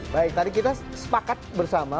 baik tadi kita sepakat bersama